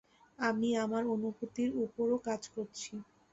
আমি আমার অনুভূতির উপরও কাজ করছি।